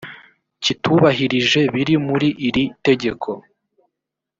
kitubahirije biri muri iri tegeko